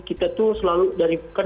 kita tuh selalu dari bukan dari berbicara